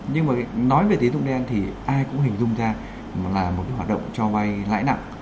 nhưng mà nói về tiến dụng đen thì ai cũng hình dung ra là một hoạt động cho vai lãi nặng